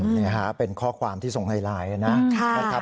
นี่ฮะเป็นข้อความที่ส่งไลน์นะครับ